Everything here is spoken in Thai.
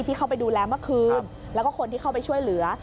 เข้าไปดูแลเมื่อคืนแล้วก็คนที่เข้าไปช่วยเหลือ